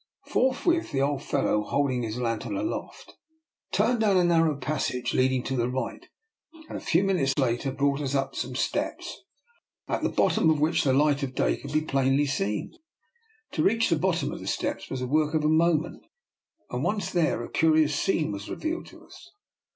Forthwith the old fellow, holding his Ian DR. NIKOLA'S EXPERIMENT. 253 tern aloft, turned down a narrow passage, leading to the right, and a few minutes later brought us up to some steps, at the bottom of which the light of day could be plainly seen. To reach the bottom of the steps was the work of a moment, and once there a curious scene was revealed to us.